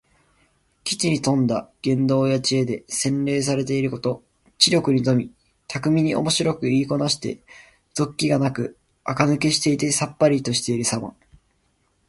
機知に富んだ言動や知恵で、洗練されていること。知力に富み、巧みにおもしろく言いこなして、俗気がなくあかぬけしていてさっぱりとしているさま。